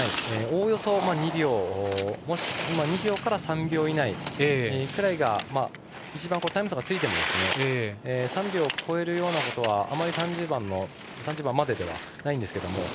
およそ２秒から３秒以内ぐらいが一番、タイム差がついても３秒を超えるようなことはあまり、３０番までではないんですが。